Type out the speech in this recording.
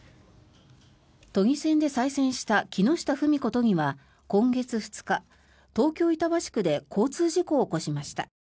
都議選で再選した木下ふみこ都議は今月２日、東京・板橋区で交通事故を起こしました。